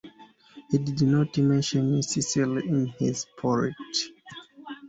He did not mention Sicily in his poetry.